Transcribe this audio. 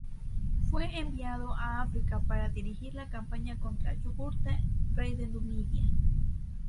Fue enviado a África para dirigir la campaña contra Yugurta, rey de Numidia.